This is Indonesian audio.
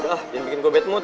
udah jangan bikin gue bad mood